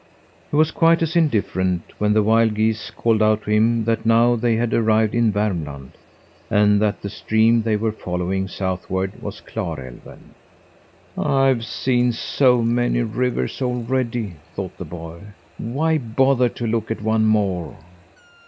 He was quite as indifferent when the wild geese called out to him that now they had arrived in Vermland and that the stream they were following southward was Klarälven. "I've seen so many rivers already," thought the boy, "why bother to look at one more?"